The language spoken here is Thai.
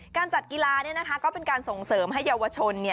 การจัดกีฬาเนี่ยนะคะก็เป็นการส่งเสริมให้เยาวชนเนี่ย